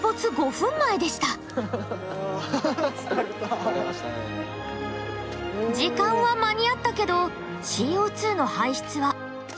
時間は間に合ったけどＣＯの排出は１００ｋｇに収まったのかな？